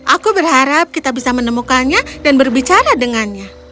aku berharap kita bisa menemukannya dan berbicara dengannya